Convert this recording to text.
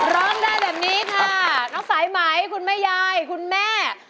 ร้องได้แบบนี้ค่ะน้องสายไหมคุณแม่ยายคุณแม่